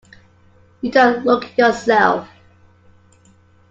You don't look yourself.